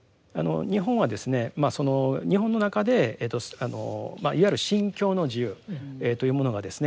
日本はですねまあその日本の中でいわゆる信教の自由というものがですね